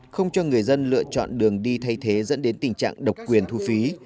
không cho người dân lựa chọn đường đi thay thế dẫn đến tình trạng độc quyền thu phí